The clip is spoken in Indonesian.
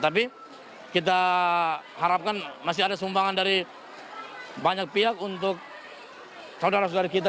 tapi kita harapkan masih ada sumbangan dari banyak pihak untuk saudara saudara kita